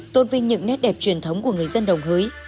tôn vinh những nét đẹp truyền thống của người dân đồng hới